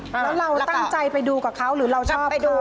แล้วเราตั้งใจไปดูกับเขาหรือเราชอบไปดู